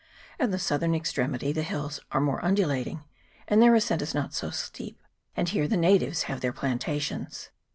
At the southern extremity the hills are more undulating, and their ascent not so steep ; and here the natives have their plantations.